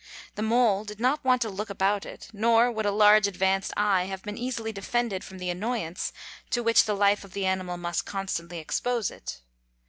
The mole did not want to look about it; nor would a large advanced eye have been easily defended from the annoyance to which the life of the animal must constantly expose it.